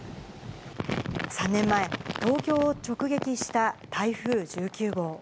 ３年前、東京を直撃した台風１９号。